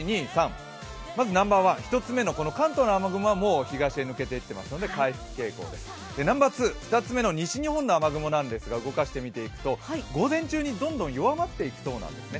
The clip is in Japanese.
まず１つ目の関東の雨雲は東に抜けていってますので回復傾向です、ナンバー２２つ目の西日本の雨雲ですが動かしてみていくと午前中にどんどん弱まっていくそうなんですね。